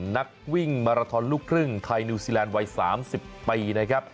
นักวิ่งมาราทอนลูกครึ่งไทยนิวซีแลนด์วัย๓๐ปีนะครับ